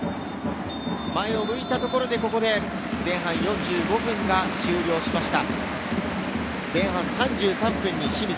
前を向いたところで前半４５分が終了しました。